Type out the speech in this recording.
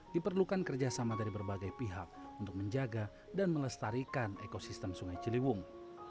diperlukan kerjasama dari berbagai pihak untuk menjaga dan melestarikan ekosistem sungai ciliwung